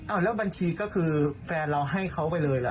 แล้วบัญชีก็คือแฟนเราให้เขาไปเลยล่ะ